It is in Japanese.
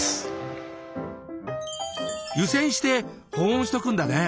湯煎して保温しとくんだね。